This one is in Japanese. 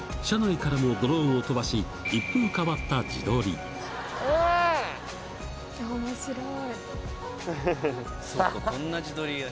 車内からもドローンを飛ばし、一風変わった自撮り。